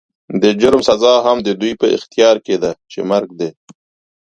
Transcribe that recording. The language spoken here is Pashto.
د جرم سزا هم د دوی په اختيار کې ده چې مرګ دی.